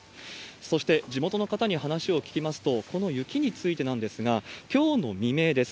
そして、地元の方に話を聞きますと、この雪についてなんですが、きょうの未明です。